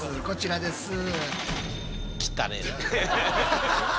こちらです。